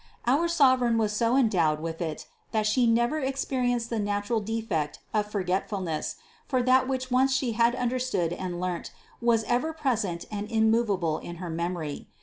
Our Sovereign was so endowed with it that She never experienced the natural defect of forgetful ness ; for that which once She had understood and learnt, 414 CITY OF GOD was ever present and immovable in her memory.